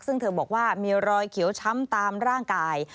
ซึ่งเธอบอกว่ามีรอยเขียวช้ำตามร่างกาย